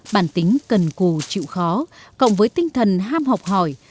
bản tính cần cù chịu khó cộng với tinh thần ham học hỏi